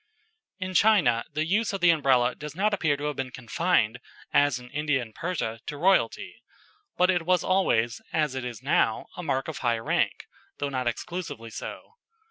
In China the use of the Umbrella does not appear to have been confined, as in India and Persia, to royalty; but it was always, as it is now, a mark of high rank, though not exclusively so.